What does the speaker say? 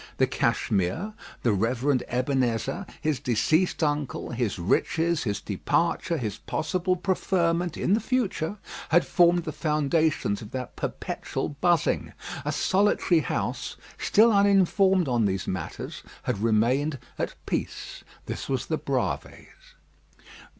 The Cashmere, the Rev. Ebenezer, his deceased uncle, his riches, his departure, his possible preferment in the future, had formed the foundations of that perpetual buzzing. A solitary house, still uninformed on these matters, had remained at peace. This was the Bravées.